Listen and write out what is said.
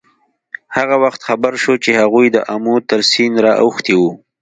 هغه وخت خبر شو چې هغوی د آمو تر سیند را اوښتي وو.